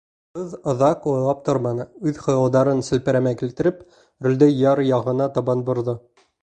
Ҡыҙ оҙаҡ уйлап торманы: үҙ хыялдарын селпәрәмә килтереп, рулде яр яғына табан борҙо.